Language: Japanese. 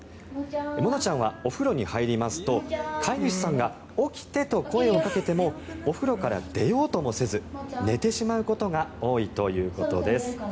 もなちゃんはお風呂に入りますと飼い主さんが起きてと声をかけてもお風呂から出ようともせず寝てしまうことが多いということです。